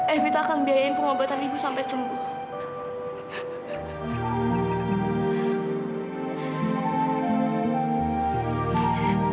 evita akan biayain pengobatan ibu sampai sembuh